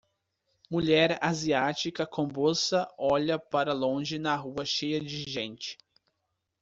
Mulher asiática com bolsa olha para longe na rua cheia de gente